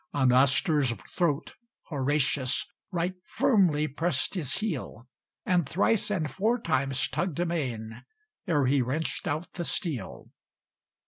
On Astur's throat Horatius Right firmly pressed his heel, And thrice and four times tugged amain, Ere he wrenched out the steel.